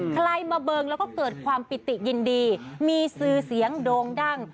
ใครมาเบิงแล้วก็เกิดความปิติยินดีมีซื้อเสียงโด่งดัง